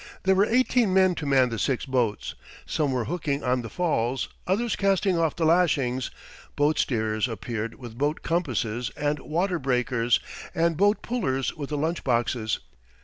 There were eighteen men to man the six boats. Some were hooking on the falls, others casting off the lashings; boat steerers appeared with boat compasses and water breakers, and boat pullers with the lunch boxes.